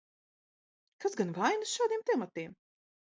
Kas gan vainas šādiem tematiem?